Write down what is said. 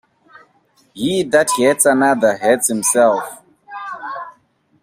He that hurts another, hurts himself.